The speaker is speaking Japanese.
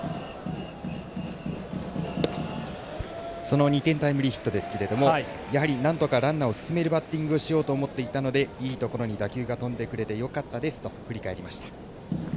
その２点タイムリーヒットですけれどもやはりなんとかランナーを進めるバッティングをしようと思っていたのでいいところに打球が飛んでくれてよかったですと振り返りました。